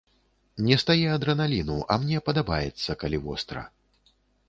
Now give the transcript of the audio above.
Нестае адрэналіну, а мне падабаецца, калі востра.